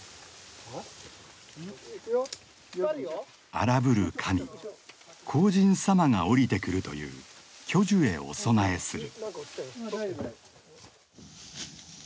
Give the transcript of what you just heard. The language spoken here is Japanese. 荒ぶる神荒神様が降りてくるという巨樹へお供えする。